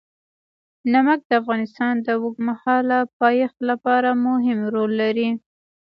نمک د افغانستان د اوږدمهاله پایښت لپاره مهم رول لري.